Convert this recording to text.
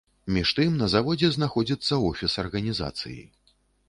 Між тым, на заводзе знаходзіцца офіс арганізацыі.